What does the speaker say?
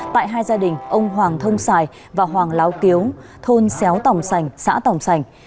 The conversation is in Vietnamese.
tại hai gia đình ông hoàng thông sài và hoàng láo kiếu thôn xéo tồng sành xã tồng sành